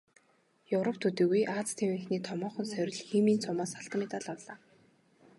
Европ төдийгүй Ази тивийнхний томоохон сорил "Химийн цом"-оос алтан медаль авлаа.